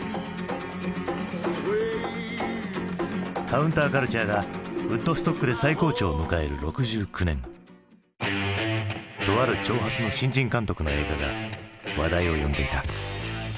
カウンターカルチャーがウッドストックで最高潮を迎える６９年とある長髪の新人監督の映画が話題を呼んでいた。